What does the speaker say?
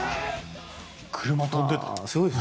車、飛んでた。